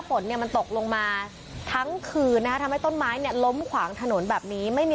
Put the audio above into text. ฝนเนี่ยมันตกลงมาทั้งคืนนะฮะทำให้ต้นไม้เนี่ยล้มขวางถนนแบบนี้ไม่มี